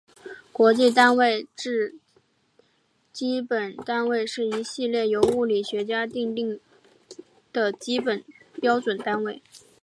国际单位制基本单位是一系列由物理学家订定的基本标准单位。